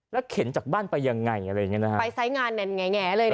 แล้วเข็นจากบ้านไปยังไงอะไรอย่างเงี้ยนะฮะไปใส่งานแหงแหงเลยเนี้ย